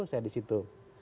saya di situ